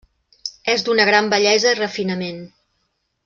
És d'una gran bellesa i refinament.